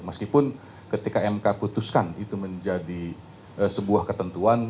meskipun ketika mk putuskan itu menjadi sebuah ketentuan